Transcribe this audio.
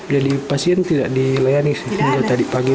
jadi pasien tidak dilayani sejak tadi pagi